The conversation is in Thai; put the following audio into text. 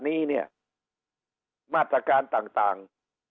นี้เนี่ยมาตรการต่าง